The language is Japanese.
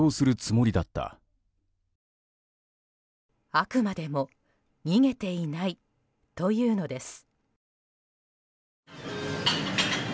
あくまでも逃げていないというのです。